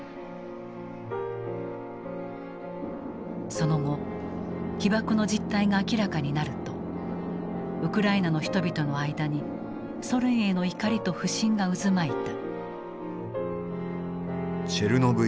その後被ばくの実態が明らかになるとウクライナの人々の間にソ連への怒りと不信が渦巻いた。